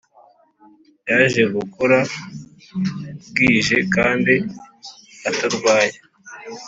Yaje gukora bwije kandi atarwaye